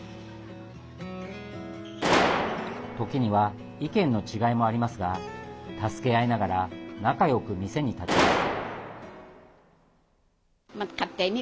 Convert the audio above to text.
時には意見の違いもありますが助け合いながら仲よく店に立ちます。